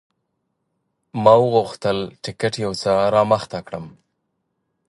ما غوښتل ټکټ یو څه رامخته کړم.